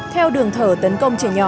theo đường thở tấn công trẻ nhỏ